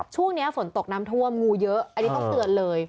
ช่วงนี้ฝนตกน้ำท่วมงูเยอะอันนี้ต้องเตือนเลย